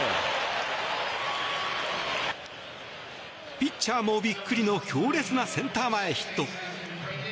ピッチャーもビックリの強烈なセンター前ヒット。